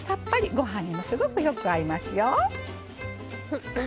ご飯にもすごくよく合いますよ。